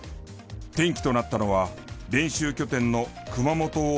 転機となったのは練習拠点の熊本を襲った豪雨。